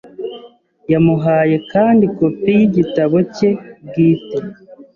Yamuhaye kandi kopi y’igitabo cye bwite